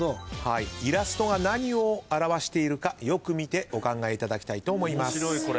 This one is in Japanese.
イラストが何を表しているかよく見てお考えいただきたいと思います。